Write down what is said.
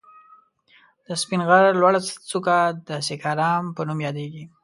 د سپين غر لوړه څکه د سيکارام په نوم ياديږي.